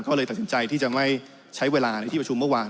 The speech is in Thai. ก็เลยตัดสินใจที่จะไม่ใช้เวลาในที่ประชุมเมื่อวาน